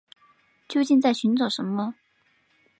究竟在寻找什么